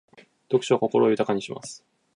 読書は心を豊かにします。